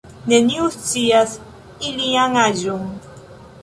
Neniu scias ilian aĝon.